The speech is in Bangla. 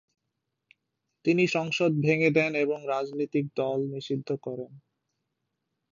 তিনি সংসদ ভেঙে দেন এবং রাজনৈতিক দল নিষিদ্ধ করেন।